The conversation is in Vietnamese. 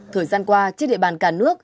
thời gian qua trên địa bàn cà nước